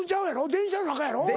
電車の中やろ？